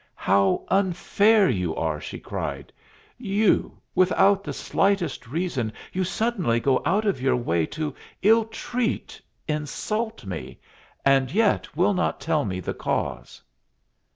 "How unfair you are!" she cried. "You without the slightest reason you suddenly go out of your way to ill treat insult me, and yet will not tell me the cause."